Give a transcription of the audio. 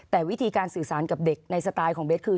แต่วิธีการสื่อสารกับเด็กในสไตล์ของเบสคือ